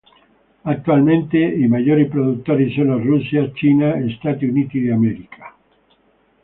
Attualmente i maggiori produttori sono Russia, Cina e Stati Uniti d'America.